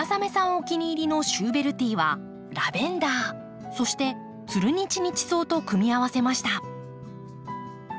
お気に入りのシューベルティーはラベンダーそしてツルニチニチソウと組み合わせました。